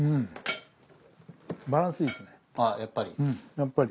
やっぱり？